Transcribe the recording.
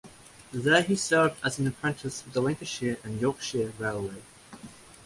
There he served as an apprentice with the Lancashire and Yorkshire Railway.